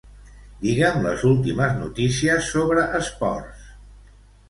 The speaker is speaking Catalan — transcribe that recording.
Digue'm les últimes notícies sobre esports.